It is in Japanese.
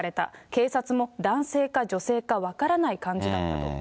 警察も男性か女性か分からない感じだったと。